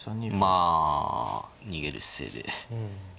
まあ逃げる姿勢で。